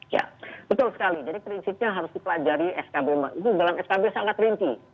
ya betul sekali jadi prinsipnya harus dipelajari skb itu dalam skb sangat rinci